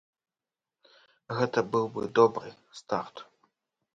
Гэта быў бы добры старт.